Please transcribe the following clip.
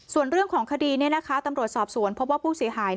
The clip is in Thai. ส่วนเรื่องของคดีตำรวจสอบสวนพบว่าผู้เสียหาย